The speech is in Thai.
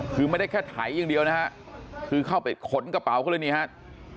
คือไม่ได้แค่ไถอย่างเดียวนะฮะคือเข้าไปขนกระเป๋าเขาเลยนี่ครับ